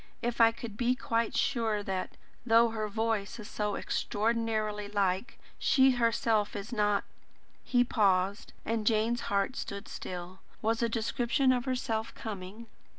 If I could be quite sure that, though her voice is so extraordinarily like, she herself is not " he paused, and Jane's heart stood still. Was a description of herself coming?